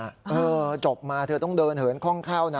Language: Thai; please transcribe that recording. เจ้าสนจบมาเธอต้องเดินเหินข้องเข้านะ